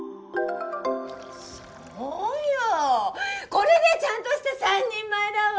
これでちゃんとした３人前だわ！